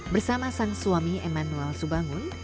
bersama sang suami emmanuel subangun